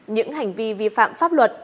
những hành vi vi phạm pháp luật